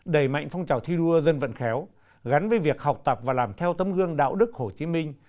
đẩy mạnh phong trào thi đua dân vận khéo gắn với việc học tập và làm theo tấm gương đạo đức hồ chí minh